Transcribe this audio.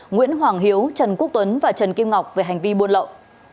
nguyễn hoàng hiếu trần quốc tuấn và trần kim ngọc về hành vi buôn lậu